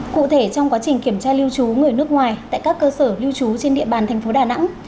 cụ thể trong quá trình kiểm tra lưu trú người nước ngoài tại các cơ sở lưu trú trên địa bàn thành phố đà nẵng